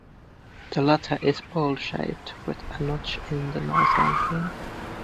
The latter is bowl-shaped with a notch in the northern rim.